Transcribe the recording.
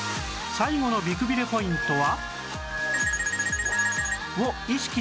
最後の美くびれポイントは